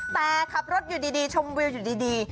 แต่ขับรถอยู่ดีชมวิวอยู่ดี